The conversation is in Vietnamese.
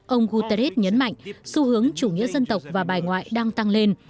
ông guterres nhấn mạnh xu hướng chủ nghĩa dân tộc và bài ngoại đang tăng lên